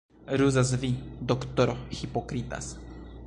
Ruzas vi, doktoro, hipokritas.